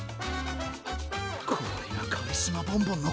これがカリスマボンボンの効果か。